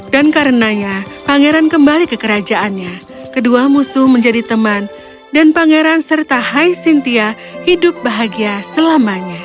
karenanya pangeran kembali ke kerajaannya kedua musuh menjadi teman dan pangeran serta hai sintia hidup bahagia selamanya